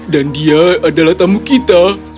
dan dia adalah tamu kita